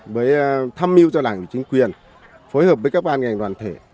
với thăm mưu cho đảng chính quyền phối hợp với các ban ngành đoàn thể